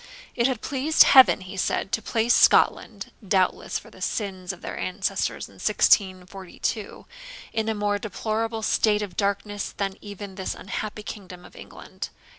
It had pleased Heaven, he said, to place Scotland (doubtless for the sins of their ancestors in 1642) in a more deplorable state of darkness than even this unhappy kingdom of England.